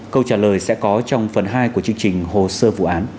câu trả lời sẽ có trong phần hai của chương trình hồ sơ vụ án